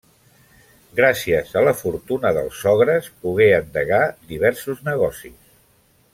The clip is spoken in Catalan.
Gràcies a la fortuna dels sogres pogué endegar diversos negocis.